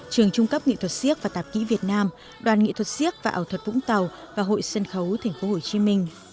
cấp nghệ thuật siết và tạp ký việt nam đoàn nghệ thuật siết và ảo thuật vũng tàu và hội sân khấu tp hcm